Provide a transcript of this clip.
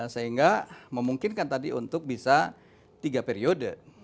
sehingga memungkinkan tadi untuk bisa tiga periode